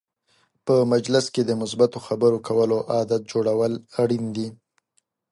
په مجلس کې د مثبت خبرو کولو عادت جوړول اړین دي.